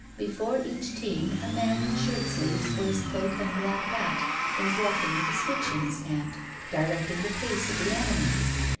Before each team, a man in shirt sleeves, waistcoat, and black hat, was walking with a switch in his hand, directing the pace of the animals.